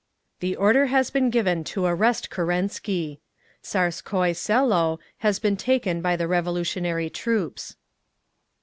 The order has been given to arrest Kerensky. Tsarskoye Selo has been taken by the revolutionary troops.